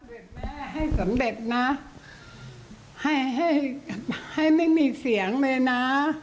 แม่ให้สำเร็จนะให้ให้ไม่มีเสียงเลยนะ